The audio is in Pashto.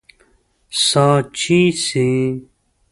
سا چې سي